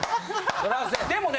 でもね